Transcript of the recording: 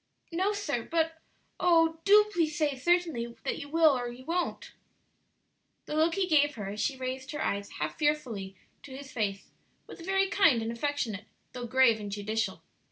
"No, sir; but oh, do please say certainly that you will or you won't." The look he gave her as she raised her eyes half fearfully to his face was very kind and affectionate, though grave and judicial.